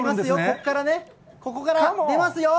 ここからね、ここから出ますよ！